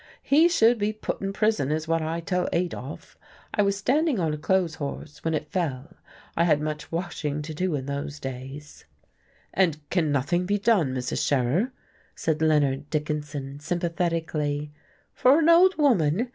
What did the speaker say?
He should be put in prison, is what I tell Adolf. I was standing on a clothes horse, when it fell. I had much washing to do in those days." "And can nothing be done, Mrs. Scherer?" asked Leonard Dickinson, sympathetically. "For an old woman?